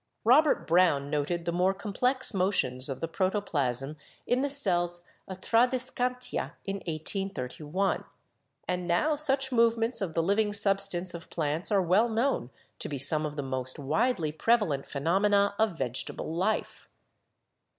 Robert Brown noted the more complex motions of the protoplasm in the cells of Tradescantia in 1831, and now such movements of the living substance of plants are well known to be some of the most widely prevalent phenomena of vegetable life.